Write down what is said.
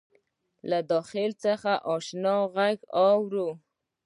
له داخل څخه آشنا غــږونه اورم